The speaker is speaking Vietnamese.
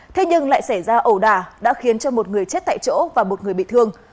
thế nhưng lại xảy ra ẩu đà đã khiến cho một người chết tại chỗ và một người bị thương